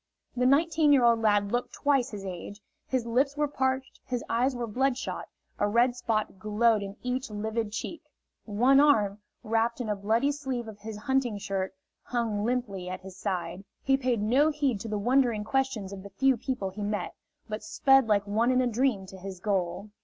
The nineteen year old lad looked twice his age; his lips were parched, his eyes were bloodshot, a red spot glowed in each livid cheek. One arm, wrapped in a bloody sleeve of his hunting shirt, hung limply at his side. He paid no heed to the wondering questions of the few people he met, but sped like one in a dream to his goal.